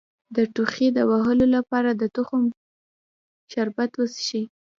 د تودوخې د وهلو لپاره د تخم شربت وڅښئ